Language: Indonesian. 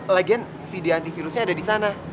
lagian cd antivirusnya ada di sana